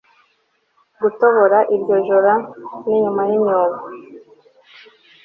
Gutobora iryo joro no inyuma yimyobo